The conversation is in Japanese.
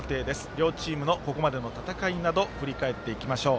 両チームのここまでの戦いなどを振り返っていきましょう。